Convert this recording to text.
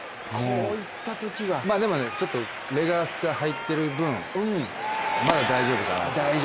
でも、レガース入ってる分、まだ大丈夫かなと。